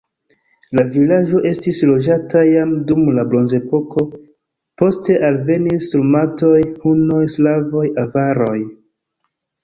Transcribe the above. La vilaĝo estis loĝata jam dum la bronzepoko, poste alvenis sarmatoj, hunoj, slavoj, avaroj.